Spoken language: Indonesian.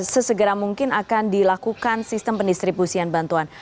sesegera mungkin akan dilakukan sistem pendistribusian bantuan